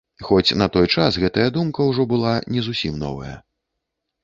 Хоць на той час гэтая думка ўжо была не зусім новая.